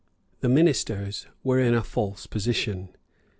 The ministers were in a false position.